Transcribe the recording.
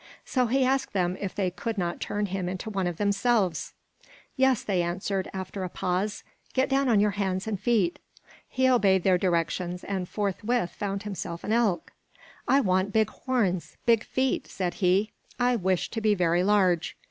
So he asked them if they could not turn him into one of themselves. "Yes," they answered, after a pause. "Get down on your hands and feet." He obeyed their directions and forthwith found himself an elk. "I want big horns, big feet," said he. "I wish to be very large."